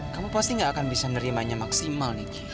kamu pasti nggak akan bisa menerimanya maksimal niki